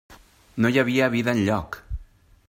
No hi havia vida enlloc!